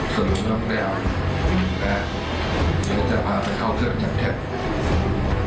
สนุนทั้งแรกและจะพาไปเข้าเครื่องอย่างแค่นี้